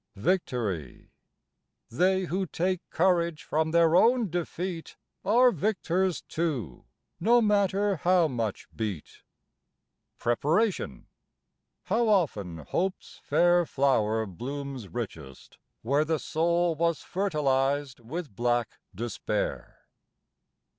VICTORY. They who take courage from their own defeat Are victors too, no matter how much beat. PREPARATION. How often hope's fair flower blooms richest where The soul was fertilized with black despair.